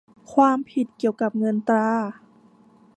ความผิดเกี่ยวกับเงินตรา